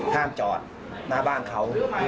ห้ามจอดหน้าบ้านเขา